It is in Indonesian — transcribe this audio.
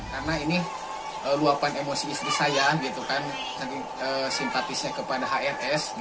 karena ini luapan emosi istri saya simpatisnya kepada hns